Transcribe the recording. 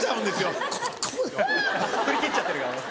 振り切っちゃってるから。